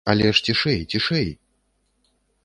Але ж цішэй, цішэй!